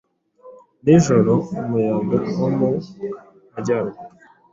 Nijoroumuyaga wo mu majyaruguru